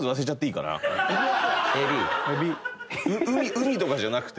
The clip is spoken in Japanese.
海とかじゃなくて。